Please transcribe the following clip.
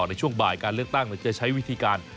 ในช่วงบ่ายการเลือกตั้งจะใช้วิธีการ